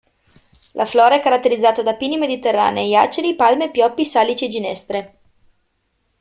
La flora è caratterizzata da pini mediterranei, aceri, palme, pioppi, salici e ginestre.